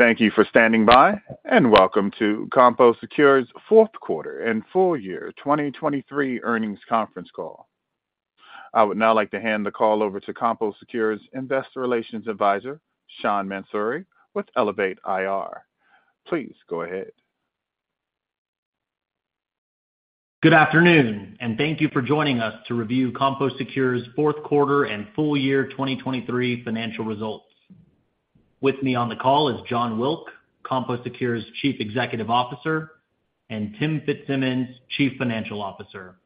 Thank you for standing by, and welcome to CompoSecure's Fourth Quarter and Full Year 2023 Earnings Conference Call. I would now like to hand the call over to CompoSecure's Investor Relations Advisor, Sean Mansouri, with Elevate IR. Please go ahead. Good afternoon, and thank you for joining us to review CompoSecure's Fourth Quarter and Full Year 2023 Financial Results. With me on the call is Jon Wilk, CompoSecure's Chief Executive Officer, and Tim Fitzsimmons, Chief Financial Officer.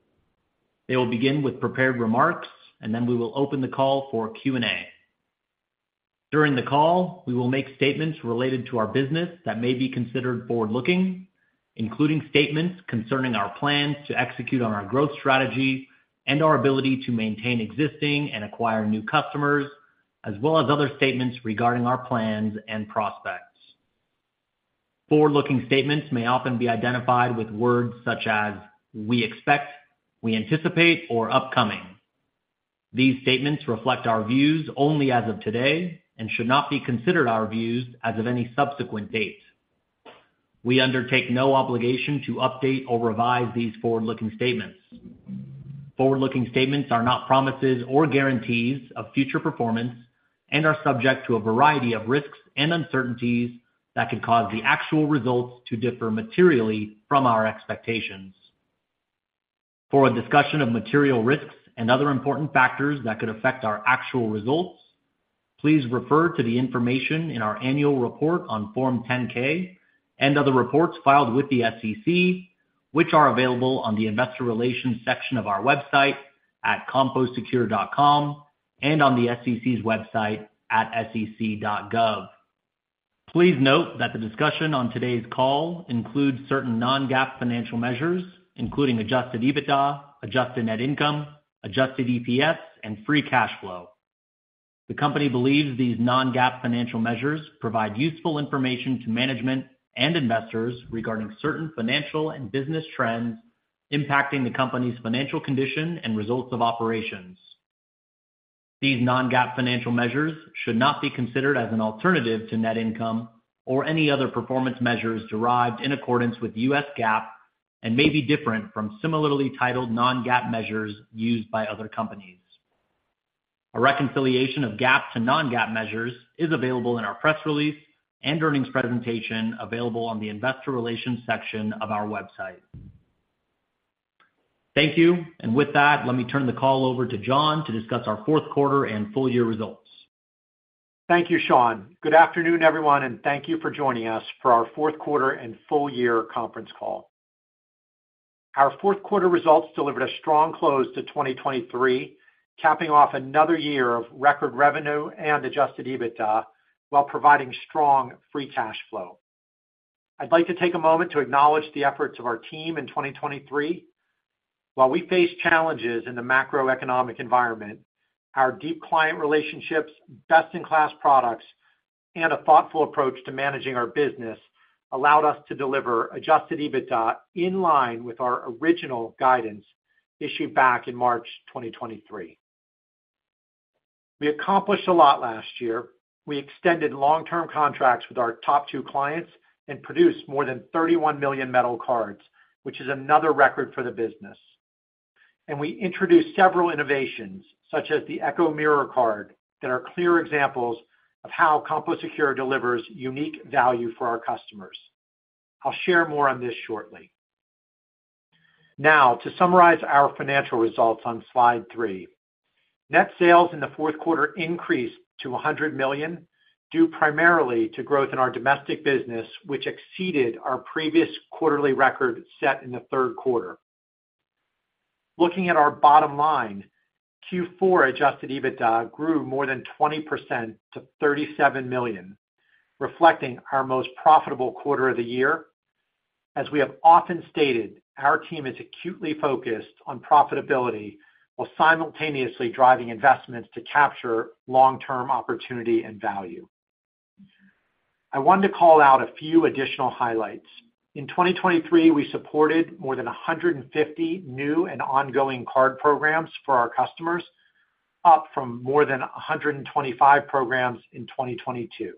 They will begin with prepared remarks, and then we will open the call for Q&A. During the call, we will make statements related to our business that may be considered forward-looking, including statements concerning our plans to execute on our growth strategy and our ability to maintain existing and acquire new customers, as well as other statements regarding our plans and prospects. Forward-looking statements may often be identified with words such as "we expect," "we anticipate," or "upcoming." These statements reflect our views only as of today and should not be considered our views as of any subsequent date. We undertake no obligation to update or revise these forward-looking statements. Forward-looking statements are not promises or guarantees of future performance and are subject to a variety of risks and uncertainties that could cause the actual results to differ materially from our expectations. For a discussion of material risks and other important factors that could affect our actual results, please refer to the information in our annual report on Form 10-K and other reports filed with the SEC, which are available on the Investor Relations section of our website at CompoSecure.com and on the SEC's website at sec.gov. Please note that the discussion on today's call includes certain non-GAAP financial measures, including Adjusted EBITDA, Adjusted Net Income, Adjusted EPS, and Free Cash Flow. The company believes these non-GAAP financial measures provide useful information to management and investors regarding certain financial and business trends impacting the company's financial condition and results of operations. These non-GAAP financial measures should not be considered as an alternative to net income or any other performance measures derived in accordance with U.S. GAAP and may be different from similarly titled non-GAAP measures used by other companies. A reconciliation of GAAP to non-GAAP measures is available in our press release and earnings presentation, available on the Investor Relations section of our website. Thank you. And with that, let me turn the call over to John to discuss our fourth quarter and full year results. Thank you, Sean. Good afternoon, everyone, and thank you for joining us for our fourth quarter and full year conference call. Our fourth quarter results delivered a strong close to 2023, capping off another year of record revenue and adjusted EBITDA while providing strong Free Cash Flow. I'd like to take a moment to acknowledge the efforts of our team in 2023. While we face challenges in the macroeconomic environment, our deep client relationships, best-in-class products, and a thoughtful approach to managing our business allowed us to deliver adjusted EBITDA in line with our original guidance issued back in March 2023. We accomplished a lot last year. We extended long-term contracts with our top two clients and produced more than 31st million metal cards, which is another record for the business. We introduced several innovations, such as the Echo Mirror card, that are clear examples of how CompoSecure delivers unique value for our customers. I'll share more on this shortly. Now, to summarize our financial results on slide three, net sales in the fourth quarter increased to $100 million, due primarily to growth in our domestic business, which exceeded our previous quarterly record set in the third quarter. Looking at our bottom line, Q4 adjusted EBITDA grew more than 20% to $37 million, reflecting our most profitable quarter of the year. As we have often stated, our team is acutely focused on profitability while simultaneously driving investments to capture long-term opportunity and value. I wanted to call out a few additional highlights. In 2023, we supported more than 150 new and ongoing card programs for our customers, up from more than 125 programs in 2022.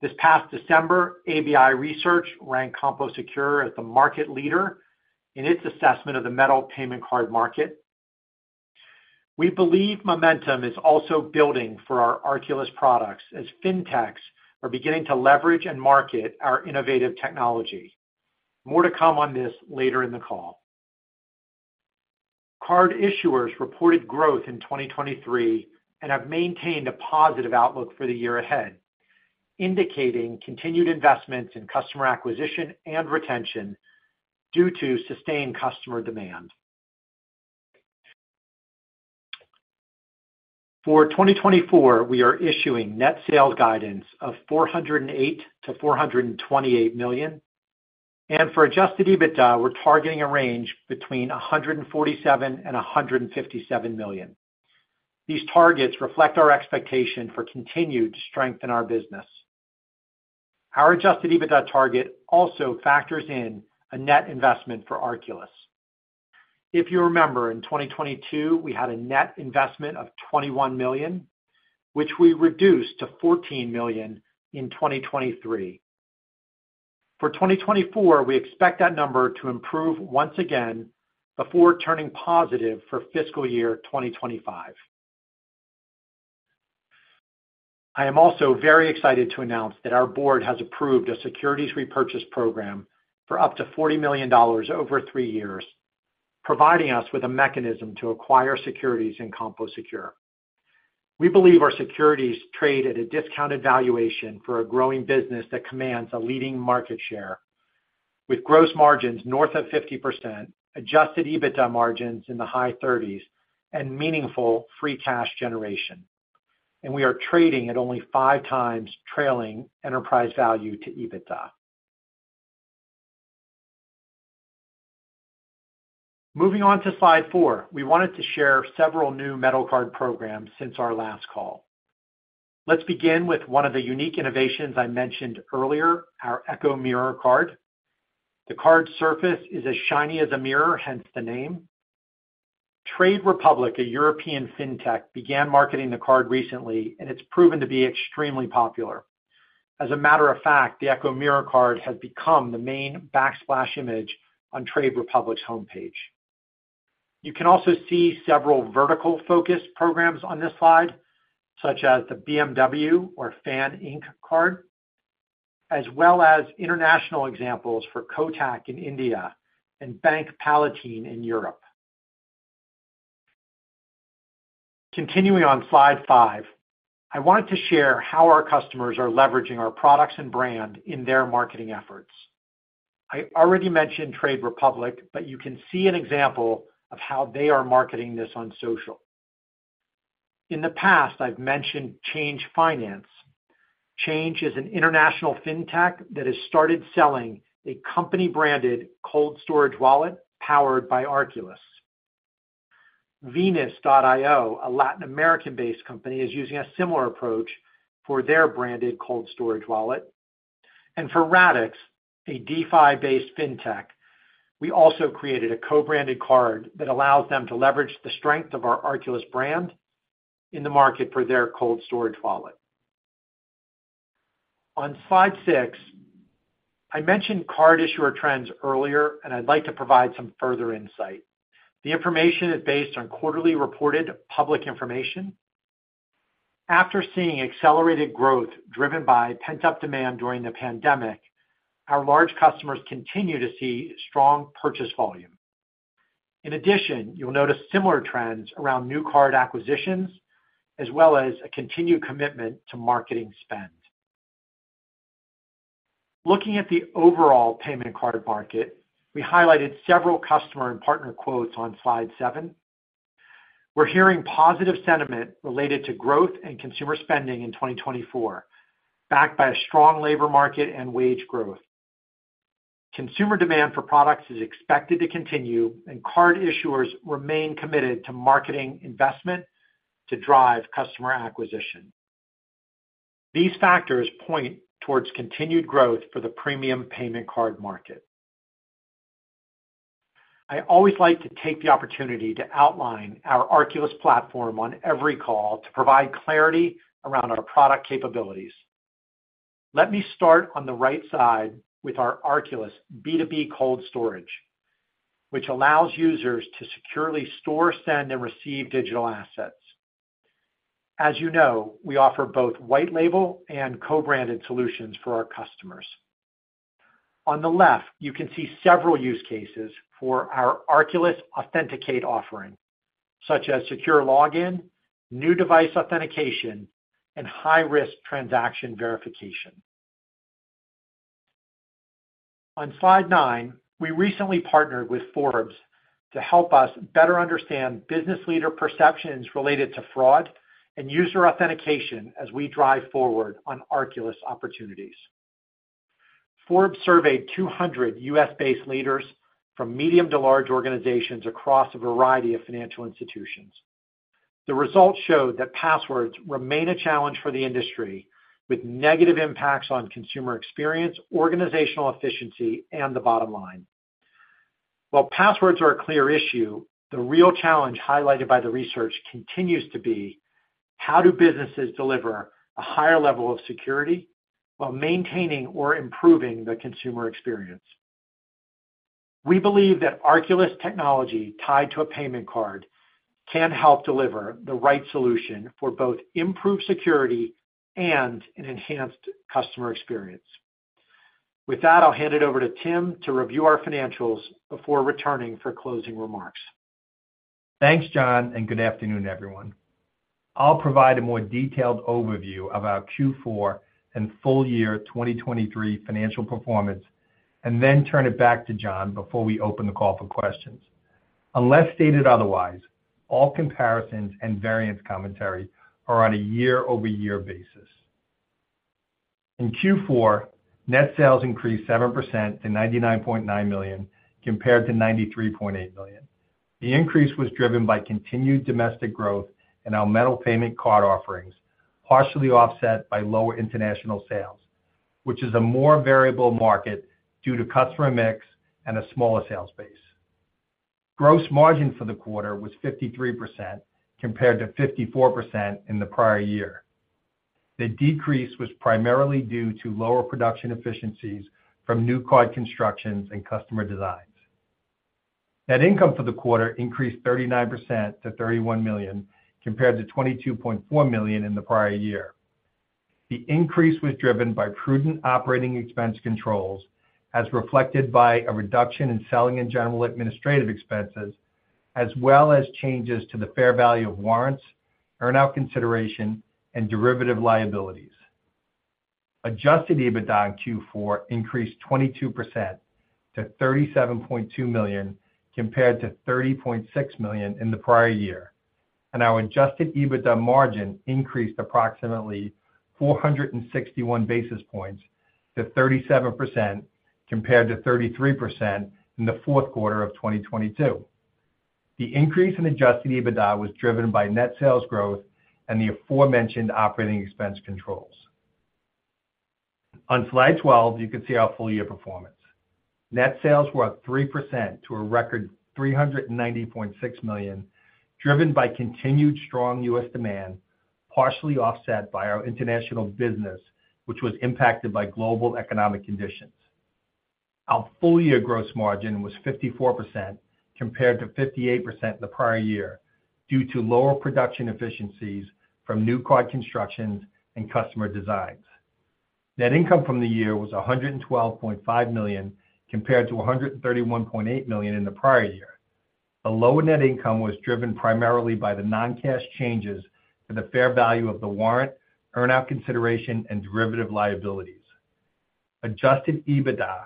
This past December, ABI Research ranked CompoSecure as the market leader in its assessment of the metal payment card market. We believe momentum is also building for our Arculus products as Fintechs are beginning to leverage and market our innovative technology. More to come on this later in the call. Card issuers reported growth in 2023 and have maintained a positive outlook for the year ahead, indicating continued investments in customer acquisition and retention due to sustained customer demand. For 2024, we are issuing net sales guidance of $408 million-$428 million, and for adjusted EBITDA, we're targeting a range between $147 million and $157 million. These targets reflect our expectation for continued strength in our business. Our adjusted EBITDA target also factors in a net investment for Arculus... If you remember, in 2022, we had a net investment of $21 million, which we reduced to $14 million in 2023. For 2024, we expect that number to improve once again before turning positive for fiscal year 2025. I am also very excited to announce that our board has approved a securities repurchase program for up to $40 million over three years, providing us with a mechanism to acquire securities in CompoSecure. We believe our securities trade at a discounted valuation for a growing business that commands a leading market share, with gross margins north of 50%, adjusted EBITDA margins in the high 30s, and meaningful free cash generation. We are trading at only five times trailing enterprise value to EBITDA. Moving on to slide four, we wanted to share several new metal card programs since our last call. Let's begin with one of the unique innovations I mentioned earlier, our Echo Mirror card. The card's surface is as shiny as a mirror, hence the name. Trade Republic, a European fintech, began marketing the card recently, and it's proven to be extremely popular. As a matter of fact, the Echo Mirror card has become the main backsplash image on Trade Republic's homepage. You can also see several vertical-focused programs on this slide, such as the BMW or Fan Ink card, as well as international examples for Kotak in India and Banque Palatine in Europe. Continuing on slide five, I wanted to share how our customers are leveraging our products and brand in their marketing efforts. I already mentioned Trade Republic, but you can see an example of how they are marketing this on social. In the past, I've mentioned Change Finance. Change is an international fintech that has started selling a company-branded cold storage wallet powered by Arculus. Venus.io, a Latin American-based company, is using a similar approach for their branded cold storage wallet. And for Radix, a DeFi-based fintech, we also created a co-branded card that allows them to leverage the strength of our Arculus brand in the market for their cold storage wallet. On slide six, I mentioned card issuer trends earlier, and I'd like to provide some further insight. The information is based on quarterly reported public information. After seeing accelerated growth driven by pent-up demand during the pandemic, our large customers continue to see strong purchase volume. In addition, you'll notice similar trends around new card acquisitions, as well as a continued commitment to marketing spend. Looking at the overall payment card market, we highlighted several customer and partner quotes on slide seven. We're hearing positive sentiment related to growth and consumer spending in 2024, backed by a strong labor market and wage growth. Consumer demand for products is expected to continue, and card issuers remain committed to marketing investment to drive customer acquisition. These factors point towards continued growth for the premium payment card market. I always like to take the opportunity to outline our Arculus platform on every call to provide clarity around our product capabilities. Let me start on the right side with our Arculus B2B cold storage, which allows users to securely store, send, and receive digital assets. As you know, we offer both white label and co-branded solutions for our customers. On the left, you can see several use cases for our Arculus Authenticate offering, such as secure login, new device authentication, and high-risk transaction verification. On slide nine, we recently partnered with Forbes to help us better understand business leader perceptions related to fraud and user authentication as we drive forward on Arculus opportunities. Forbes surveyed 200 U.S.-based leaders from medium to large organizations across a variety of financial institutions. The results showed that passwords remain a challenge for the industry, with negative impacts on consumer experience, organizational efficiency, and the bottom line. While passwords are a clear issue, the real challenge highlighted by the research continues to be: how do businesses deliver a higher level of security while maintaining or improving the consumer experience? We believe that Arculus technology, tied to a payment card, can help deliver the right solution for both improved security and an enhanced customer experience. With that, I'll hand it over to Tim to review our financials before returning for closing remarks. Thanks, John, and good afternoon, everyone. I'll provide a more detailed overview of our Q4 and full year 2023 financial performance and then turn it back to John before we open the call for questions. Unless stated otherwise, all comparisons and variance commentary are on a year-over-year basis. In Q4, net sales increased 7% to $99.9 million, compared to $93.8 million. The increase was driven by continued domestic growth in our metal payment card offerings, partially offset by lower international sales, which is a more variable market due to customer mix and a smaller sales base. Gross margin for the quarter was 53%, compared to 54% in the prior year. The decrease was primarily due to lower production efficiencies from new quad constructions and customer designs. Net income for the quarter increased 39% to $31st million, compared to $22.4 million in the prior year. The increase was driven by prudent operating expense controls, as reflected by a reduction in selling and general administrative expenses, as well as changes to the fair value of warrants, earn-out consideration, and derivative liabilities. Adjusted EBITDA in Q4 increased 22% to $37.2 million, compared to $30.6 million in the prior year. Our adjusted EBITDA margin increased approximately 461 basis points to 37%, compared to 33% in the fourth quarter of 2022. The increase in adjusted EBITDA was driven by net sales growth and the aforementioned operating expense controls. On Slide 12, you can see our full year performance. Net sales were up 3% to a record $390.6 million, driven by continued strong US demand, partially offset by our international business, which was impacted by global economic conditions. Our full year gross margin was 54%, compared to 58% the prior year, due to lower production efficiencies from new quad constructions and customer designs. Net income from the year was $112.5 million, compared to $131st.8 million in the prior year. The lower net income was driven primarily by the non-cash changes in the fair value of the warrant, earn-out consideration, and derivative liabilities. Adjusted EBITDA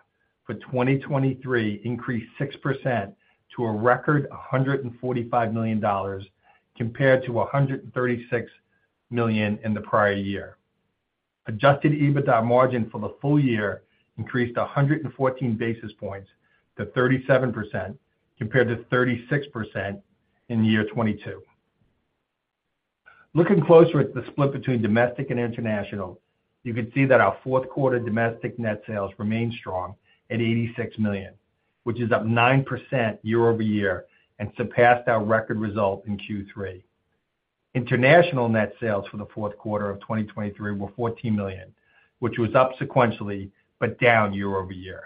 for 2023 increased 6% to a record $145 million, compared to $136 million in the prior year. Adjusted EBITDA margin for the full year increased 114 basis points to 37%, compared to 36% in the year 2022. Looking closer at the split between domestic and international, you can see that our fourth quarter domestic net sales remained strong at $86 million, which is up 9% year-over-year and surpassed our record result in Q3. International net sales for the fourth quarter of 2023 were $14 million, which was up sequentially, but down year-over-year.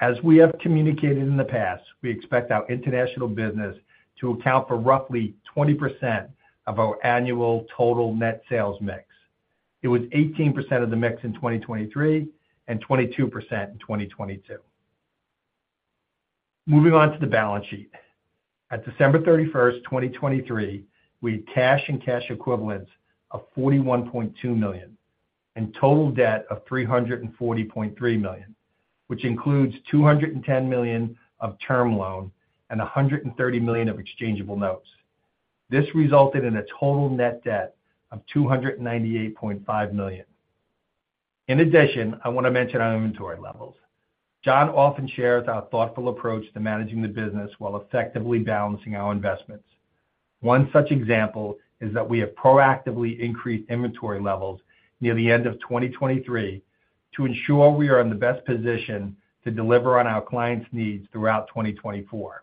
As we have communicated in the past, we expect our international business to account for roughly 20% of our annual total net sales mix. It was 18% of the mix in 2023 and 22% in 2022. Moving on to the balance sheet. At December 31st, 2023, we had cash and cash equivalents of $41.2 million and total debt of $340.3 million, which includes $210 million of term loan and $130 million of exchangeable notes. This resulted in a total net debt of $298.5 million. In addition, I want to mention our inventory levels. John often shares our thoughtful approach to managing the business while effectively balancing our investments. One such example is that we have proactively increased inventory levels near the end of 2023 to ensure we are in the best position to deliver on our clients' needs throughout 2024.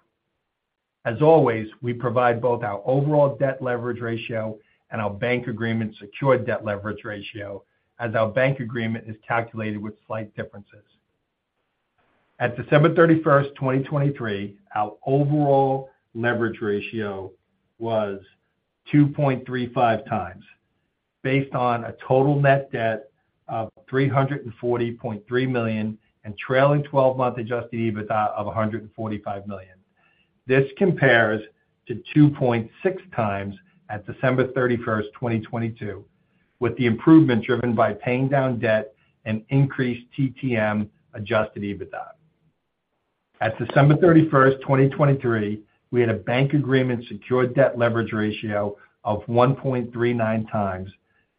As always, we provide both our overall debt leverage ratio and our bank agreement secured debt leverage ratio, as our bank agreement is calculated with slight differences. At December 31st, 2023, our overall leverage ratio was 2.35 times, based on a total net debt of $340.3 million and trailing 12-month Adjusted EBITDA of $145 million. This compares to 2.6 times at December 31stst, 2022, with the improvement driven by paying down debt and increased TTM Adjusted EBITDA. At December 31stst, 2023, we had a bank agreement secured debt leverage ratio of 1.39 times,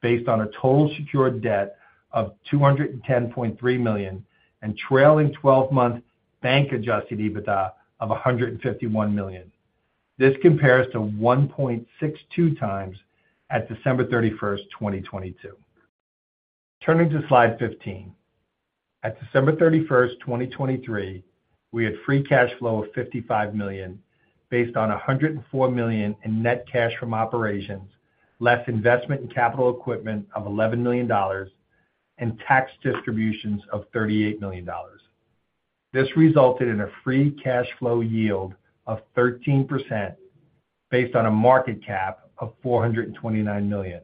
based on a total secured debt of $210.3 million and trailing 12-month bank Adjusted EBITDA of $151 million. This compares to 1.62 times at December 31stst, 2022. Turning to Slide 15. At December 31stst, 2023, we had Free Cash Flow of $55 million, based on $104 million in net cash from operations, less investment in capital equipment of $11 million and tax distributions of $38 million. This resulted in a Free Cash Flow yield of 13% based on a market cap of $429 million.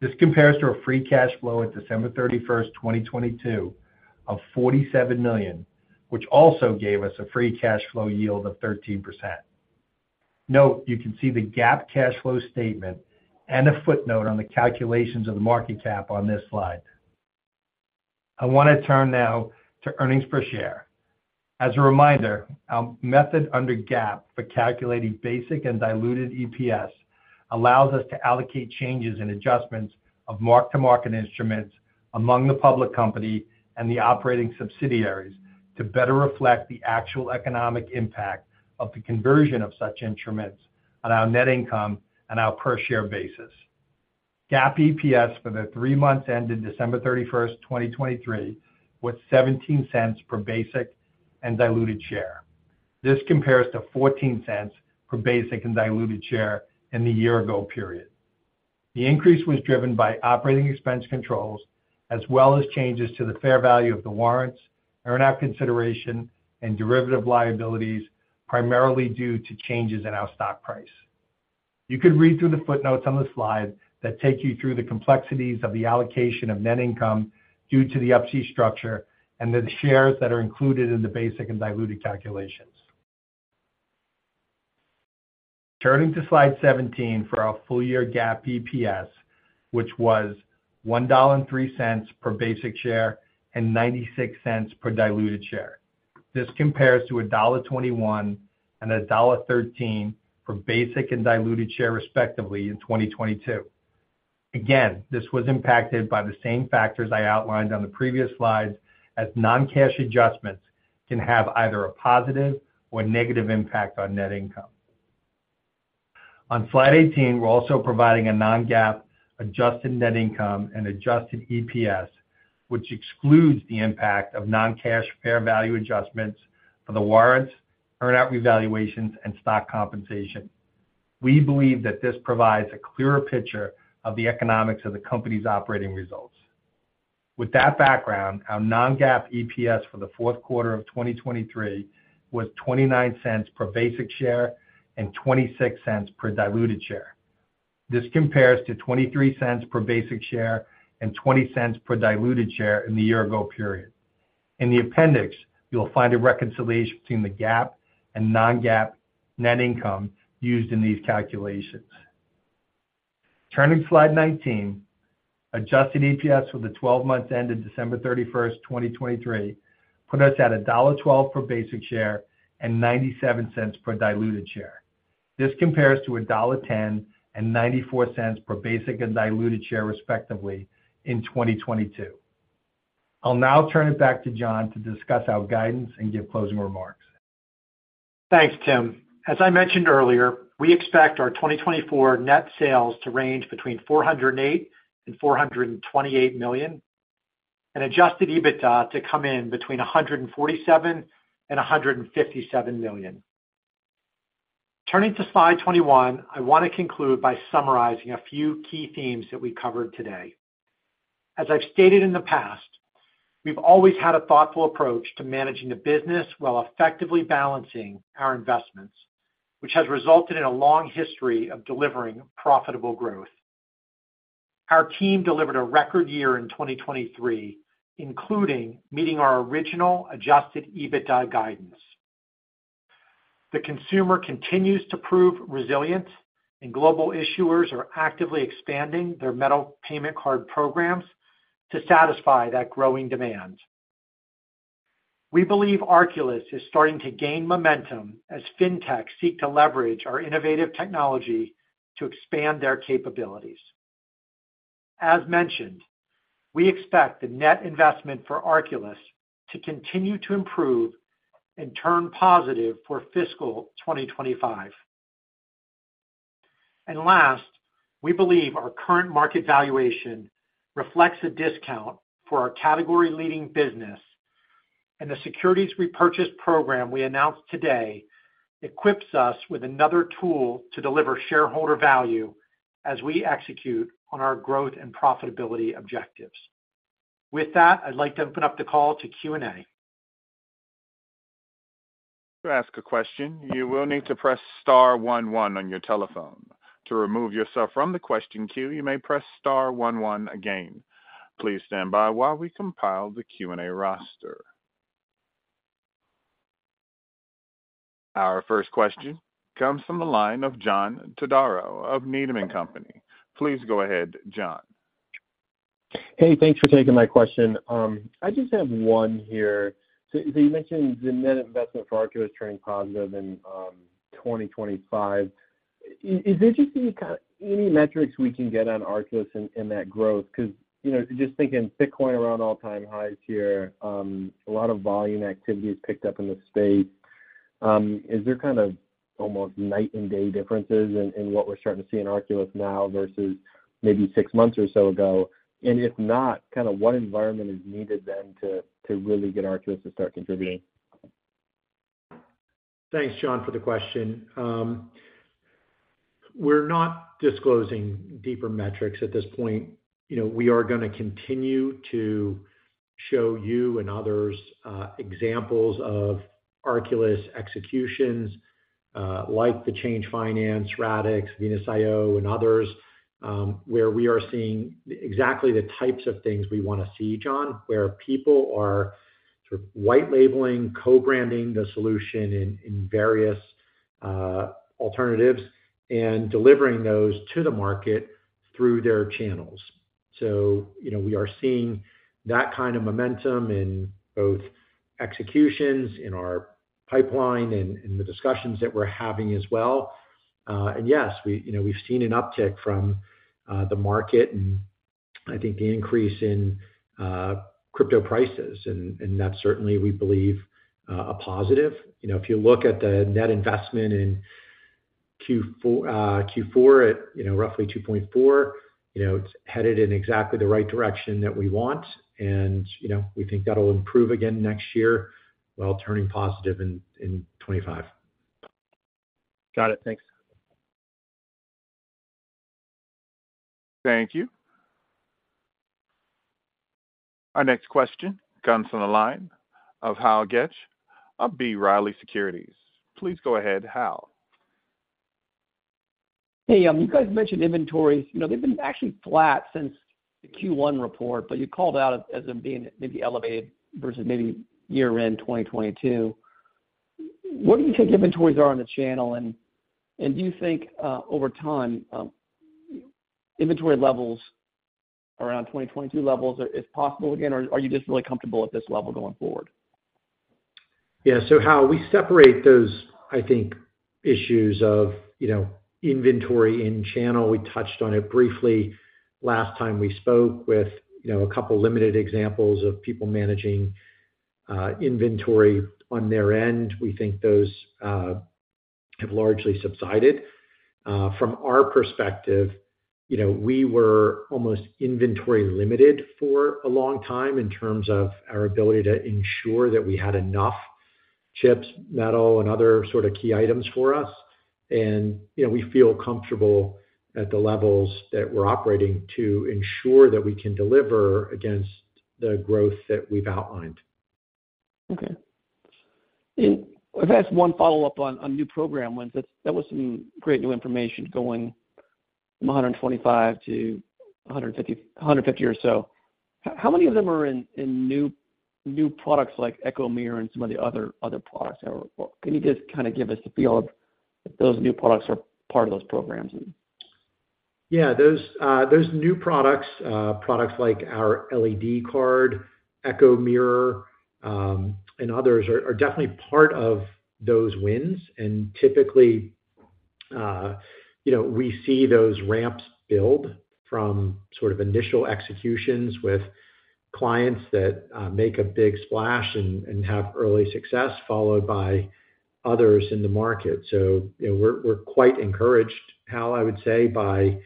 This compares to a Free Cash Flow at December 31stst, 2022, of $47 million, which also gave us a Free Cash Flow yield of 13%. Note, you can see the GAAP cash flow statement and a footnote on the calculations of the market cap on this slide. I want to turn now to earnings per share. As a reminder, our method under GAAP for calculating basic and diluted EPS allows us to allocate changes in adjustments of mark-to-market instruments among the public company and the operating subsidiaries to better reflect the actual economic impact of the conversion of such instruments on our net income and our per share basis. GAAP EPS for the three months ended December 31stst, 2023, was $0.17 per basic and diluted share. This compares to $0.14 per basic and diluted share in the year ago period. The increase was driven by operating expense controls, as well as changes to the fair value of the warrants, earn-out consideration, and derivative liabilities, primarily due to changes in our stock price. You can read through the footnotes on the slide that take you through the complexities of the allocation of net income due to the UPC structure and the shares that are included in the basic and diluted calculations. Turning to slide 17 for our full year GAAP EPS, which was $1.03 per basic share and $0.96 per diluted share. This compares to $1.21 and $1.13 for basic and diluted share, respectively, in 2022. Again, this was impacted by the same factors I outlined on the previous slides, as non-cash adjustments can have either a positive or negative impact on net income. On slide 18, we're also providing a non-GAAP adjusted net income and adjusted EPS, which excludes the impact of non-cash fair value adjustments for the warrants, earn-out revaluations, and stock compensation. We believe that this provides a clearer picture of the economics of the company's operating results. With that background, our non-GAAP EPS for the fourth quarter of 2023 was $0.29 per basic share and $0.26 per diluted share. This compares to $0.23 per basic share and $0.20 per diluted share in the year ago period. In the appendix, you'll find a reconciliation between the GAAP and non-GAAP net income used in these calculations. Turning to slide 19, adjusted EPS for the 12 months ended December 31st, 2023, put us at $1.12 per basic share and $0.97 per diluted share. This compares to $1.10 and $0.94 per basic and diluted share, respectively, in 2022. I'll now turn it back to John to discuss our guidance and give closing remarks. Thanks, Tim. As I mentioned earlier, we expect our 2024 net sales to range between $408 million and $428 million, and adjusted EBITDA to come in between $147 million and $157 million. Turning to slide 21, I want to conclude by summarizing a few key themes that we covered today. As I've stated in the past, we've always had a thoughtful approach to managing the business while effectively balancing our investments, which has resulted in a long history of delivering profitable growth. Our team delivered a record year in 2023, including meeting our original adjusted EBITDA guidance. The consumer continues to prove resilient, and global issuers are actively expanding their metal payment card programs to satisfy that growing demand. We believe Arculus is starting to gain momentum as fintechs seek to leverage our innovative technology to expand their capabilities. As mentioned, we expect the net investment for Arculus to continue to improve and turn positive for fiscal 2025. Last, we believe our current market valuation reflects a discount for our category-leading business, and the securities repurchase program we announced today equips us with another tool to deliver shareholder value as we execute on our growth and profitability objectives. With that, I'd like to open up the call to Q&A. To ask a question, you will need to press star one one on your telephone. To remove yourself from the question queue, you may press star one one again. Please stand by while we compile the Q&A roster. Our first question comes from the line of John Todaro of Needham & Company. Please go ahead, John. Hey, thanks for taking my question. I just have one here. So you mentioned the net investment for Arculus turning positive in 2025. Is there just any kind of metrics we can get on Arculus in that growth? Because, you know, just thinking Bitcoin around all-time highs here, a lot of volume activity has picked up in the space. Is there kind of almost night and day differences in what we're starting to see in Arculus now versus maybe six months or so ago? And if not, kind of what environment is needed then to really get Arculus to start contributing? Thanks, John, for the question. We're not disclosing deeper metrics at this point. You know, we are gonna continue to show you and others, examples of Arculus executions, like the Change Finance, Radix, Venus.io, and others, where we are seeing exactly the types of things we wanna see, John, where people are sort of white labeling, co-branding the solution in, in various, alternatives, and delivering those to the market through their channels. So, you know, we are seeing that kind of momentum in both executions, in our pipeline, and in the discussions that we're having as well. And yes, you know, we've seen an uptick from the market and I think, the increase in crypto prices, and, and that's certainly, we believe, a positive. You know, if you look at the net investment in Q4 at, you know, roughly $2.4, you know, it's headed in exactly the right direction that we want. And, you know, we think that'll improve again next year, while turning positive in 2025. Got it. Thanks. Thank you. Our next question comes from the line of Hal Goetsch of B. Riley Securities. Please go ahead, Hal. Hey, you guys mentioned inventories. You know, they've been actually flat since the Q1 report, but you called out as them being maybe elevated versus maybe year-end 2022. Where do you think inventories are on the channel? And do you think over time inventory levels around 2022 levels are possible again, or are you just really comfortable at this level going forward? Yeah. So Hal, we separate those, I think, issues of, you know, inventory in channel. We touched on it briefly last time we spoke with, you know, a couple limited examples of people managing inventory on their end. We think those have largely subsided. From our perspective, you know, we were almost inventory limited for a long time in terms of our ability to ensure that we had enough chips, metal, and other sort of key items for us. And, you know, we feel comfortable at the levels that we're operating to ensure that we can deliver against the growth that we've outlined. Okay. And if I could ask one follow-up on new program wins. That's, that was some great new information going from 125 to 150 or so. How many of them are in new products like Echo Mirror and some of the other products? Or can you just kind of give us a feel of if those new products are part of those programs? Yeah. Those new products like our LED Card, Echo Mirror, and others are definitely part of those wins. And typically, you know, we see those ramps build from sort of initial executions with clients that make a big splash and have early success, followed by others in the market. So, you know, we're quite encouraged, Hal, I would say, by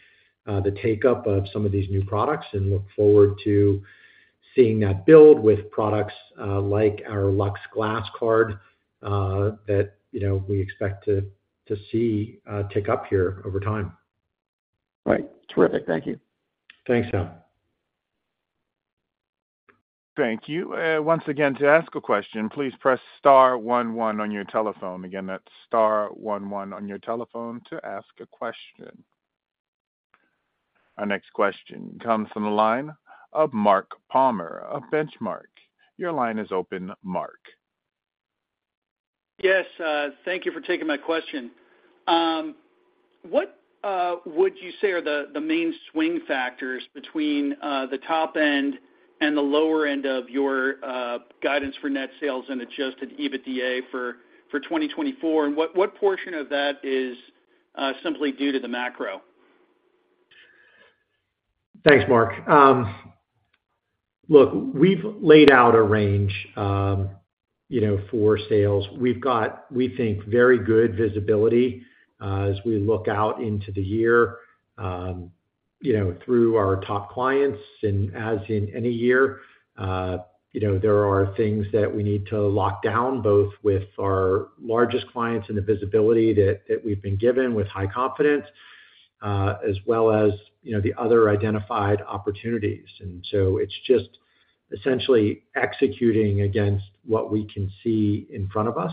the take-up of some of these new products and look forward to seeing that build with products like our Lux Glass Card that, you know, we expect to see tick up here over time. Right. Terrific. Thank you. Thanks, Hal. Thank you. Once again, to ask a question, please press star one one on your telephone. Again, that's star one one on your telephone to ask a question. Our next question comes from the line of Mark Palmer of Benchmark. Your line is open, Mark. Yes, thank you for taking my question. What would you say are the main swing factors between the top end and the lower end of your guidance for net sales and Adjusted EBITDA for 2024? And what portion of that is simply due to the macro? Thanks, Mark. Look, we've laid out a range, you know, for sales. We've got, we think, very good visibility, as we look out into the year, you know, through our top clients, and as in any year, you know, there are things that we need to lock down, both with our largest clients and the visibility that we've been given with high confidence, as well as, you know, the other identified opportunities. And so it's just essentially executing against what we can see in front of us.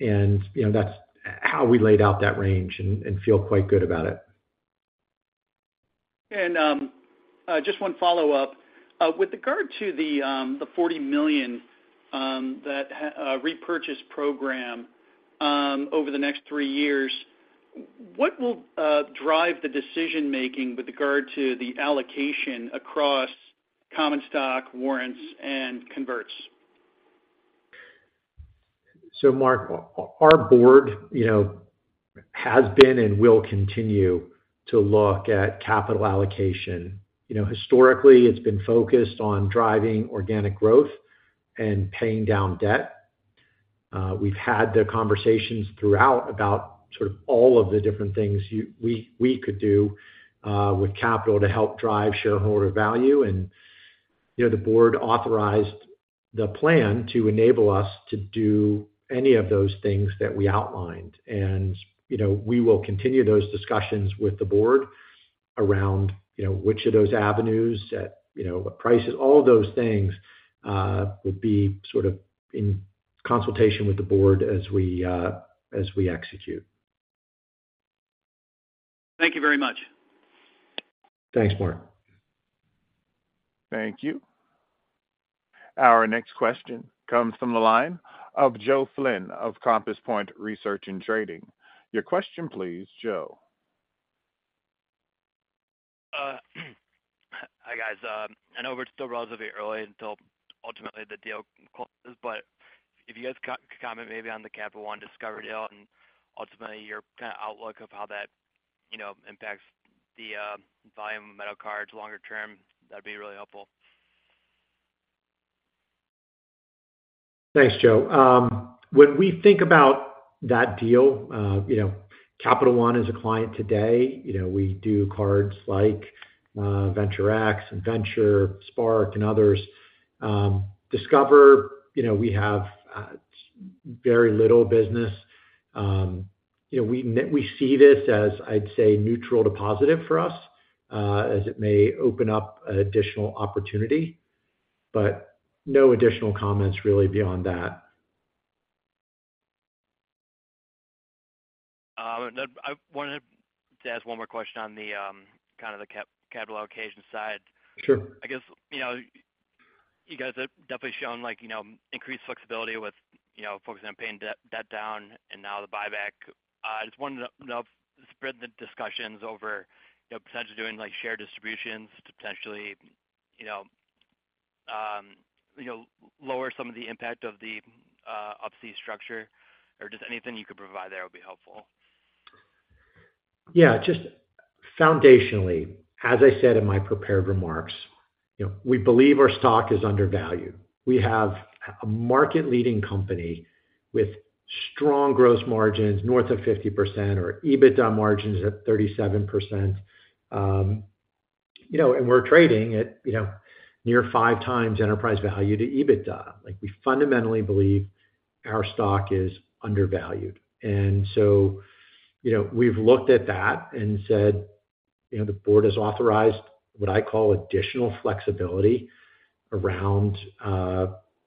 And, you know, that's how we laid out that range and feel quite good about it. Just one follow-up. With regard to the $40 million that repurchase program over the next three years, what will drive the decision making with regard to the allocation across common stock warrants and converts? So Mark, our board, you know, has been and will continue to look at capital allocation. You know, historically, it's been focused on driving organic growth and paying down debt. We've had the conversations throughout about sort of all of the different things we could do with capital to help drive shareholder value. And, you know, the board authorized the plan to enable us to do any of those things that we outlined. And, you know, we will continue those discussions with the board around, you know, which of those avenues at, you know, what prices, all those things will be sort of in consultation with the board as we execute. Thank you very much. Thanks, Mark. Thank you. Our next question comes from the line of Joe Flynn of Compass Point Research and Trading. Your question, please, Joe. Uh,... Hi, guys. I know we're still relatively early until ultimately the deal closes, but if you guys could comment maybe on the Capital One Discover deal and ultimately your kind of outlook of how that, you know, impacts the volume of metal cards longer term, that'd be really helpful. Thanks, Joe. When we think about that deal, you know, Capital One is a client today. You know, we do cards like, Venture X, Venture, Spark, and others. Discover, you know, we have very little business. You know, we see this as, I'd say, neutral to positive for us, as it may open up additional opportunity, but no additional comments really beyond that. Then I wanted to ask one more question on the kind of the capital allocation side. Sure. I guess, you know, you guys have definitely shown, like, you know, increased flexibility with, you know, focusing on paying debt down and now the buyback. I just wanted to know, spread the discussions over, you know, potentially doing, like, share distributions to potentially, you know, lower some of the impact of the ops structure, or just anything you could provide there would be helpful. Yeah, just foundationally, as I said in my prepared remarks, you know, we believe our stock is undervalued. We have a market-leading company with strong gross margins, north of 50%, our EBITDA margin is at 37%. You know, and we're trading at, you know, near five times enterprise value to EBITDA. Like, we fundamentally believe our stock is undervalued. And so, you know, we've looked at that and said, you know, the board has authorized what I call additional flexibility around,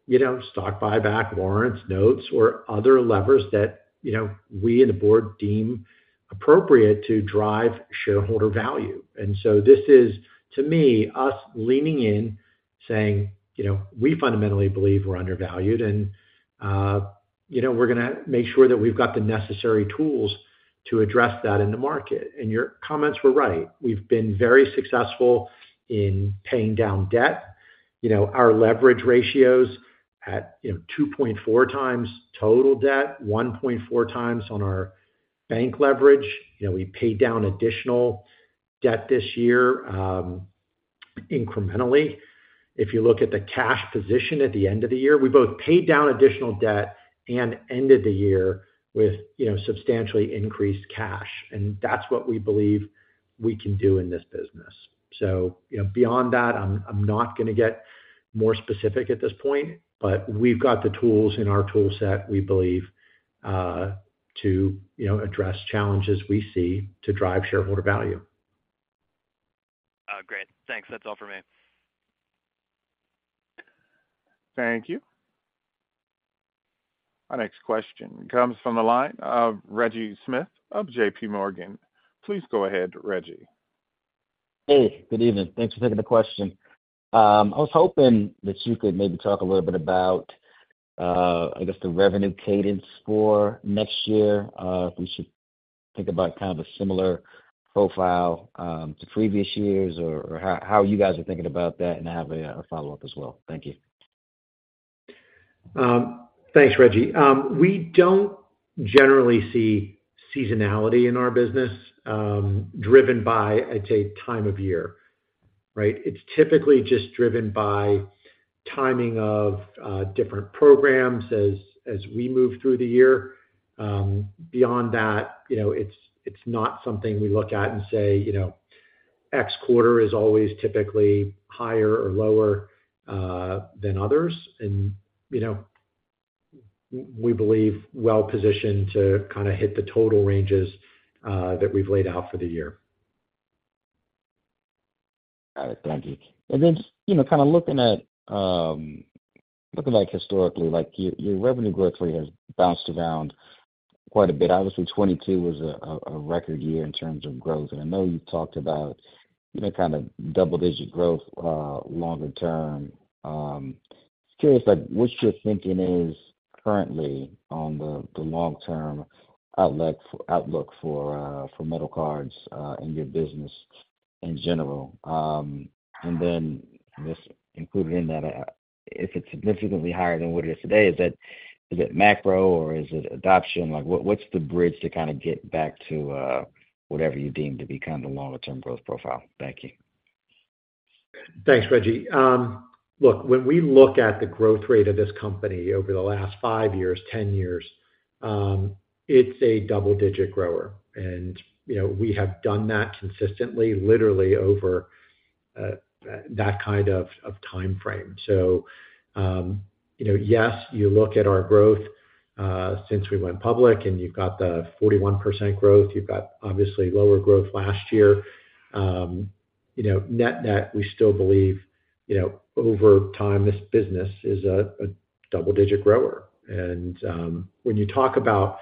you know, stock buyback, warrants, notes, or other levers that, you know, we and the board deem appropriate to drive shareholder value. And so this is, to me, us leaning in, saying, "You know, we fundamentally believe we're undervalued, and, you know, we're gonna make sure that we've got the necessary tools to address that in the market." And your comments were right. We've been very successful in paying down debt. You know, our leverage ratio's at, you know, 2.4 times total debt, 1.4 times on our bank leverage. You know, we paid down additional debt this year, incrementally. If you look at the cash position at the end of the year, we both paid down additional debt and ended the year with, you know, substantially increased cash, and that's what we believe we can do in this business. So, you know, beyond that, I'm not gonna get more specific at this point, but we've got the tools in our toolset, we believe, to, you know, address challenges we see to drive shareholder value. Great. Thanks. That's all for me. Thank you. Our next question comes from the line of Reggie Smith of J.P. Morgan. Please go ahead, Reggie. Hey, good evening. Thanks for taking the question. I was hoping that you could maybe talk a little bit about, I guess, the revenue cadence for next year, if we should think about kind of a similar profile, to previous years or how you guys are thinking about that, and I have a follow-up as well. Thank you. Thanks, Reggie. We don't generally see seasonality in our business, driven by, I'd say, time of year, right? It's typically just driven by timing of different programs as we move through the year. Beyond that, you know, it's not something we look at and say, you know, X quarter is always typically higher or lower than others. We believe well positioned to kind of hit the total ranges that we've laid out for the year. Got it. Thank you. And then, you know, kind of looking at, looking like historically, like, your revenue growth rate has bounced around quite a bit. Obviously, 2022 was a record year in terms of growth. And I know you've talked about, you know, kind of double-digit growth longer term. Just curious, like, what your thinking is currently on the long-term outlook for metal cards and your business in general. And then just including that, if it's significantly higher than what it is today, is that-- is it macro or is it adoption? Like, what's the bridge to kind of get back to whatever you deem to be kind of the longer-term growth profile? Thank you. Thanks, Reggie. Look, when we look at the growth rate of this company over the last five years, 10 years, it's a double-digit grower, and, you know, we have done that consistently, literally over that kind of timeframe. So, you know, yes, you look at our growth since we went public, and you've got the 41% growth. You've got obviously lower growth last year. You know, net-net, we still believe, you know, over time, this business is a double-digit grower. And, when you talk about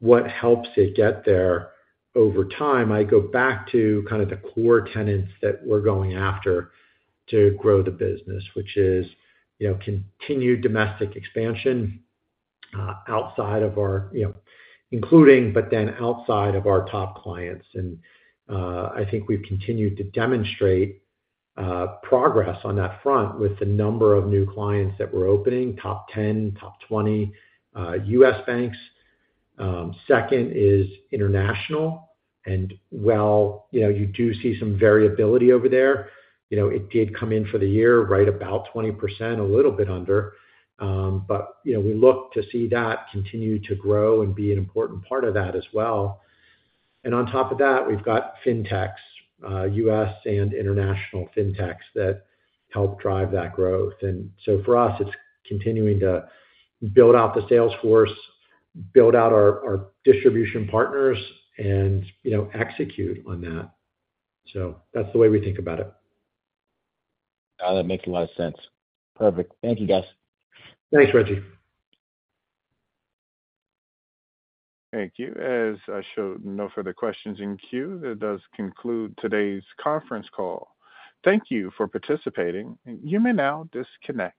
what helps it get there over time, I go back to kind of the core tenets that we're going after to grow the business, which is, you know, continued domestic expansion, outside of our, you know, including, but then outside of our top clients. I think we've continued to demonstrate progress on that front with the number of new clients that we're opening, top 10, top 20 U.S. banks. Second is international, and while, you know, you do see some variability over there, you know, it did come in for the year, right about 20%, a little bit under. But, you know, we look to see that continue to grow and be an important part of that as well. And on top of that, we've got fintechs, U.S. and international fintechs, that help drive that growth. And so for us, it's continuing to build out the sales force, build out our distribution partners and, you know, execute on that. So that's the way we think about it. That makes a lot of sense. Perfect. Thank you, guys. Thanks, Reggie. Thank you. As I show no further questions in queue, that does conclude today's conference call. Thank you for participating, and you may now disconnect.